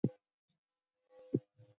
هغه پیسې سمدستي په لاس نه راوړي